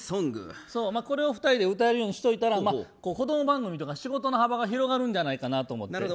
これを２人で歌えるようにしといたら子供番組とか仕事の幅が広がるんじゃないかなと思ってね。